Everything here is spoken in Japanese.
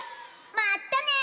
まったね！